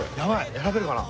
選べるかな。